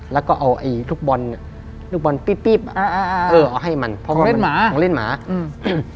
แล้วก็เอาไอลูกบอลลูกบอลเออเอาให้มันของเล่นหมาของเล่นหมาอืม